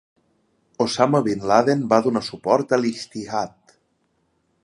Osama Bin Laden va donar suport a l'"ijtihad".